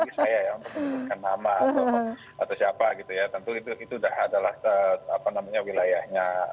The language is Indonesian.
kalau saya yang menyebutkan nama atau siapa gitu ya tentu itu adalah apa namanya wilayahnya